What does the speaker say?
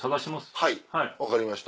はい分かりました